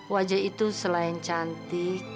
wajah itu selain cantik